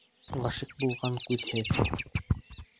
Ғишыҡ булған күҙһеҙ.